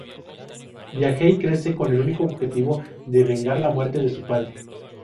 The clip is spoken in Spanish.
Vijay crece con el único objetivo de vengar la muerte de su padre.